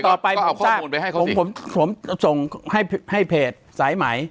ก็เอาข้อมูลไปให้เขาสิผมผมผมส่งให้ให้เพจสายหมาย